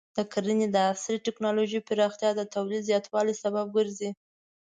د کرنې د عصري ټکنالوژۍ پراختیا د تولید زیاتوالي سبب ګرځي.